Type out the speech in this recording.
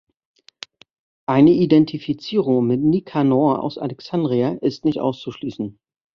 Eine Identifizierung mit Nikanor aus Alexandria ist nicht auszuschließen.